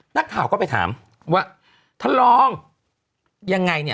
นักข่าวก็ไปถามว่าท่านรองยังไงเนี่ย